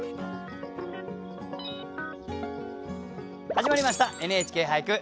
始まりました「ＮＨＫ俳句」。